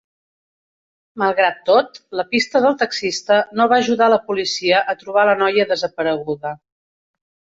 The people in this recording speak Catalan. Malgrat tot, la pista del taxista no va ajudar la policia a trobar la noia desapareguda.